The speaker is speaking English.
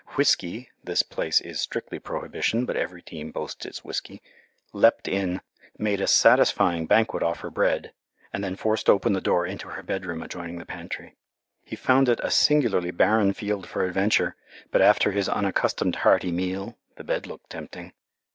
Whiskey (this place is strictly prohibition, but every team boasts its "Whiskey") leaped in, made a satisfying banquet off her bread, and then forced open the door into her bedroom adjoining the pantry. He found it a singularly barren field for adventure, but after his unaccustomed hearty meal the bed looked tempting.